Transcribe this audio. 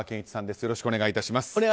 よろしくお願いします。